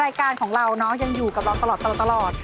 รายการของเราเนาะยังอยู่กับเราตลอด